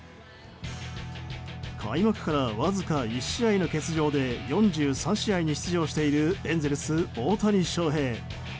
開幕からわずか１試合の欠場で４３試合に出場しているエンゼルス、大谷翔平。